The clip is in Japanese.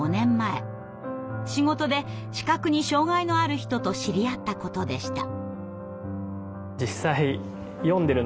仕事で視覚に障害のある人と知り合ったことでした。